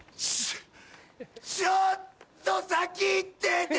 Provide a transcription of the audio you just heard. ちょっと先行ってて！